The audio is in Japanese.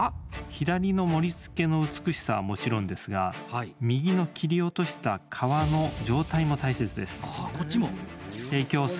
左の盛りつけの美しさはもちろんですが右の切り落とした皮の状態も大切です。